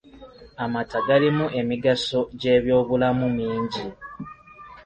Amata galimu emigaso gy'ebyobulamu mingi.